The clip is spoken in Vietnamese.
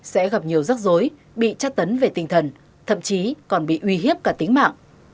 sẽ gặp nhiều rắc rối bị chắc tấn về tinh thần thậm chí còn bị uy hiếp cả tính mạng